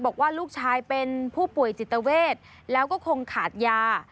บอกว่าลูกชายเป็นผู้ป่วยจิตเวทแล้วก็คงขาดยา